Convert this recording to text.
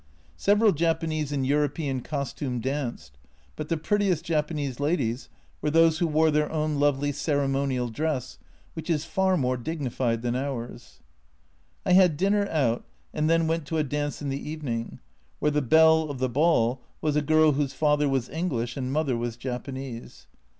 Several Japanese in European costume danced, but the prettiest Japanese ladies were those who wore their own lovely cere monial dress, which is far more dignified than ours. I had dinner out, and then went to a dance in the evening, where the belle of the ball was a girl whose father was English and mother was Japanese.